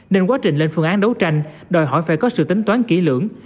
nên quá trình lên phương án đấu tranh đòi hỏi phải có sự tính toán kỹ lưỡng